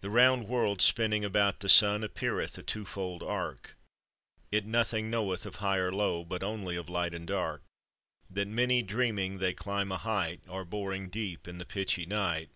The round world spinning about the sun Appeareth a two fold arc ; It nothing knoweth of high or low, But only of light and dark: That many, dreaming they climb a height, Are boring deep in the pitchy night.